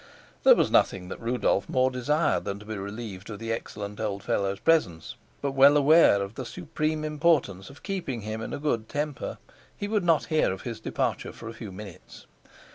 There was nothing that Rudolf more desired than to be relieved of the excellent old fellow's presence; but, well aware of the supreme importance of keeping him in a good temper, he would not hear of his departure for a few minutes.